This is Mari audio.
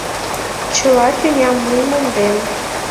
Чыла тӱням мый мондем